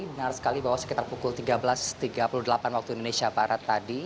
benar sekali bahwa sekitar pukul tiga belas tiga puluh delapan waktu indonesia barat tadi